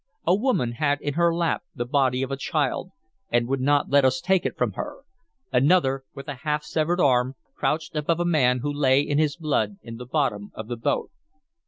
A woman had in her lap the body of a child, and would not let us take it from her; another, with a half severed arm, crouched above a man who lay in his blood in the bottom of the boat.